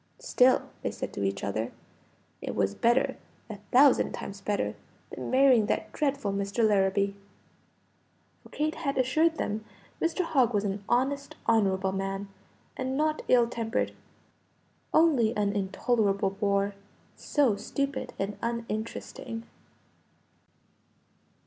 "Still," they said to each other, "it was better, a thousand times better, than marrying that dreadful Mr. Larrabee." For Kate had assured them Mr. Hogg was "an honest, honorable man, and not ill tempered; only an intolerable bore so stupid and uninteresting."